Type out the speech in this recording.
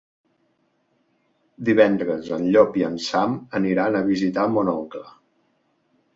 Divendres en Llop i en Sam aniran a visitar mon oncle.